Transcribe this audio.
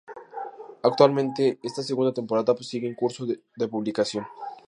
Actualmente esta segunda temporada sigue en curso de publicación.